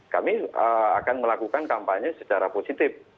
kami akan melakukan kampanye secara positif